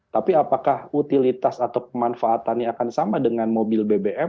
tapi apakah utilitas atau pemanfaatannya akan sama dengan mobil bbm